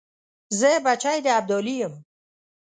زه بچی د ابدالي یم .